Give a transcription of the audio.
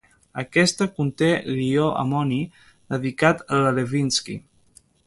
Aquesta conté l'ió amoni dedicat a la Lewinsky.